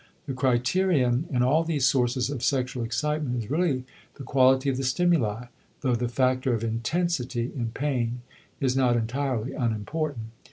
The criterion in all these sources of sexual excitement is really the quality of the stimuli, though the factor of intensity (in pain) is not entirely unimportant.